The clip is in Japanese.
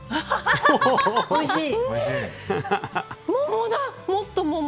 おいしい！